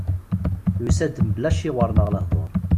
Yusa-d mebla aciwer neɣ lehdur.